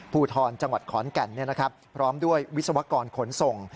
ภูทรจังหวัดขอนแก่นพร้อมด้วยวิศวกรขนส่ง